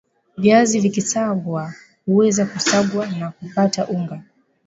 viazi vikisagwa huweza kusagwa na kupata unga